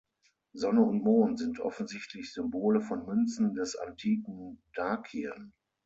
Sonne und Mond sind offensichtlich Symbole von Münzen des antiken Dakien.